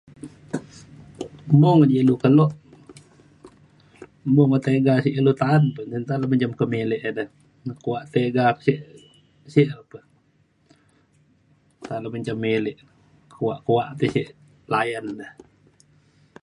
mung ji ilu kelo mung tiga sek ilu ta’an pa nta na jam kemilek edei kuak tiga sek pa. nta jam lu milek kuak kuak te ke layan da.